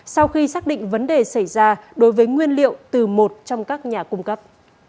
sau khi xác định vấn đề xảy ra đối với nguyên liệu từ một trong các nhà cung cấp